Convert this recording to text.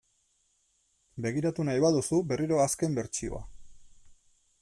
Begiratu nahi baduzu berriro azken bertsioa .